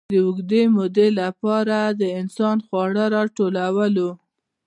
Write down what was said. د اوږدې مودې لپاره انسان خواړه راټولول.